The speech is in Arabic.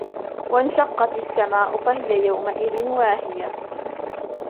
وانشقت السماء فهي يومئذ واهية